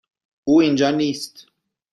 او اینجا نیست.